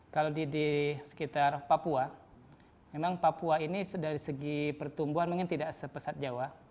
kalau di sekitar papua memang papua ini dari segi pertumbuhan mungkin tidak sepesat jawa